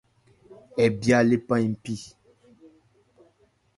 Hɛ bhya le bha npi.